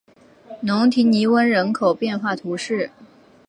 龙提尼翁人口变化图示